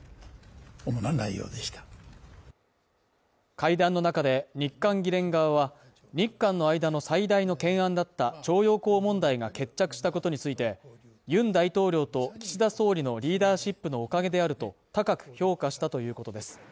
会談の中で、日韓議連側は日韓の間の最大の懸案だった徴用工問題が決着したことについて、ユン大統領と岸田総理のリーダーシップのおかげであると高く評価したということです。